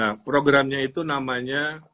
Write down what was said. nah programnya itu namanya